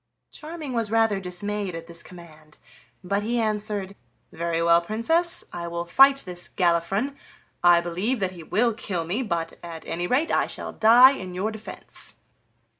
Charming was rather dismayed at this command, but he answered: "Very well, Princess, I will fight this Galifron; I believe that he will kill me, but at any rate I shall die in your defense."